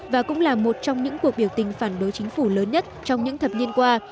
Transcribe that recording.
và cũng là một trong những cuộc biểu tình phản đối chính phủ lớn nhất trong những thập niên qua